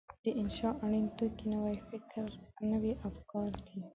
د انشأ اړین توکي نوي افکار دي.